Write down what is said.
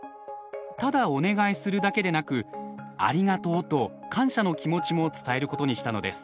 ただお願いするだけでなく「ありがとう」と感謝の気持ちも伝えることにしたのです。